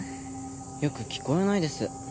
よく聞こえないです。